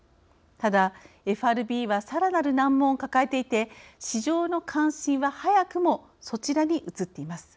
ただ、ＦＲＢはさらなる難問を抱えていて市場の関心は早くもそちらに移っています。